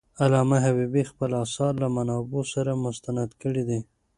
علامه حبيبي خپل آثار له منابعو سره مستند کړي دي.